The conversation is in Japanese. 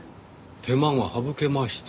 手間が省けました。